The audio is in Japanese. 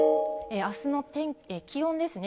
あすの天気、気温ですね。